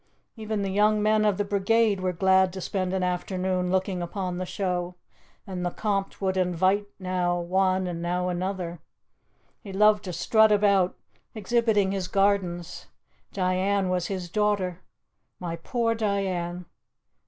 Even the young men of the Brigade were glad to spend an afternoon looking upon the show, and the Conte would invite now one, now another. He loved to strut about exhibiting his gardens. Diane was his daughter my poor Diane!